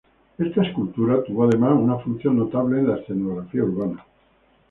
Esta escultura tuvo además una función notable en la escenografía urbana.